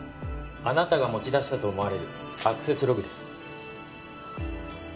あなたが持ち出したと思われるアクセスログです